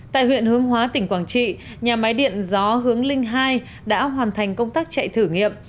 tại huyện hướng hóa tỉnh quảng trị nhà máy điện gió hướng linh ii đã hoàn thành công tác chạy thử nghiệm